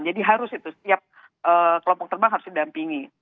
jadi harus itu setiap kelompok terbang harus didampingi